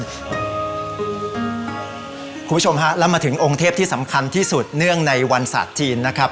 คุณผู้ชมฮะแล้วมาถึงองค์เทพที่สำคัญที่สุดเนื่องในวันศาสตร์จีนนะครับ